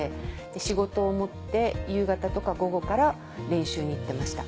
仕事を持って夕方とか午後から練習に行ってました。